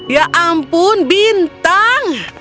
ya ampun bintang